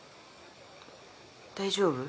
大丈夫？